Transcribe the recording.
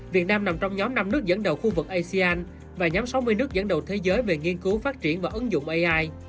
việt nam nằm trong nhóm năm nước dẫn đầu khu vực asean và nhóm sáu mươi nước dẫn đầu thế giới về nghiên cứu phát triển và ứng dụng ai